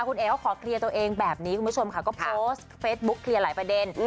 คุณเอ๋ก็ขอเคลียร์ตัวเองแบบนี้คุณผู้ชมค่ะก็โพสต์เฟซบุ๊กเคลียร์หลายประเด็น